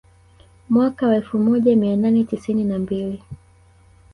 Mwaka wa elfu moja mia nane tisini na mbili